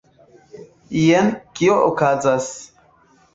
Jen kio okazas